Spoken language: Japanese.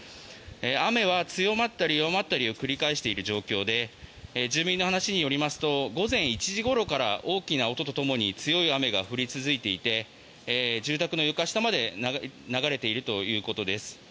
雨は強まったり弱まったりを繰り返している状況で住民の話によりますと午前１時ごろから大きな音とともに強い雨が降り続いていて住宅の床下まで流れているということです。